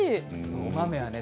お豆はね